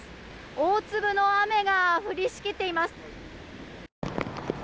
大粒の雨が降りしきっています。